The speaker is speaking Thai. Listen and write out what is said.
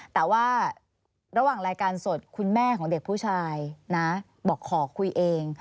แต่ว่าระหว่างรายการสดคุณแม่ของเด็กผู้ชายนะบอกขอคุยเอง